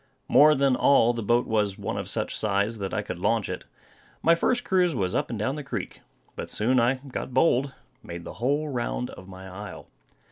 More than all, the boat was one of such a size that I could launch it. My first cruise was up and down the creek, but soon I got bold, and made the whole round of my isle.